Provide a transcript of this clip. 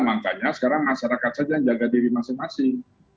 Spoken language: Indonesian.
makanya sekarang masyarakat saja yang jaga diri masing masing